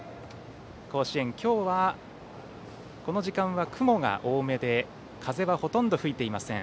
甲子園、今日はこの時間は雲が多めで風はほとんど吹いていません。